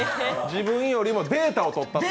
自分よりもデータを取ったと。